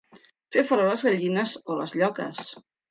Fer fora les gallines o les lloques.